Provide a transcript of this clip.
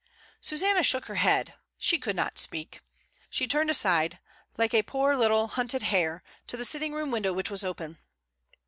Susanna shook her head; she could not speak. She turned aside, like a poor little hunted hare, to the sitting room window which was open.